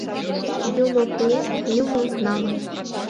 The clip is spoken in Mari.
Юмо пуэн, юмо налын.